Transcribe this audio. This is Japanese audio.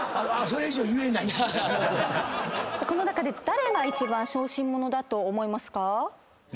この中で誰が一番小心者だと思いますか？